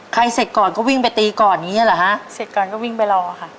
เสร็จก่อนก็วิ่งไปตีก่อนอย่างเงี้เหรอฮะเสร็จก่อนก็วิ่งไปรอค่ะ